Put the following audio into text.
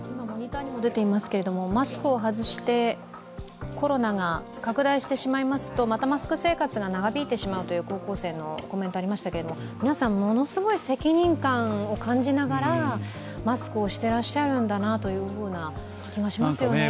マスクを外してコロナが拡大してしまいますと、またマスク生活が長引いてしまうという高校生のコメントがありましたけれども、皆さん、ものすごい責任感を感じながらマスクをしていらっしゃるんだなという気がしますよね。